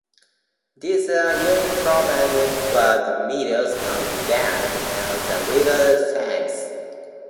These are unimproved flood meadows on the bank of the River Thames.